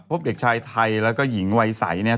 เด็กชายไทยแล้วก็หญิงวัยใสเนี่ย